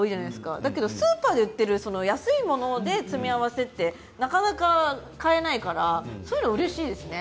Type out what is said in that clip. でもスーパーで売っている安いもので、詰め合わせってなかなか買えないからうれしいですよね。